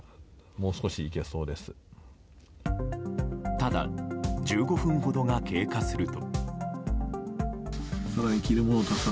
ただ、１５分ほどが経過すると。